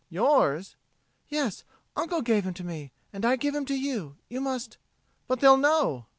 "Yours?" "Yes. Uncle gave him to me, and I give him to you. You must...." "But they'll know...."